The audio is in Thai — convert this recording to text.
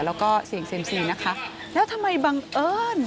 แล้วก็เสี่ยงเซียมซีนะคะแล้วทำไมบังเอิญ